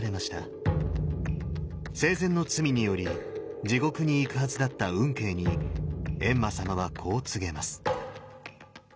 生前の罪により地獄に行くはずだった運慶に閻魔様はこう告げます。